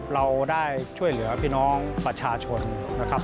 เราได้ช่วยเหลือพี่น้องประชาชนนะครับ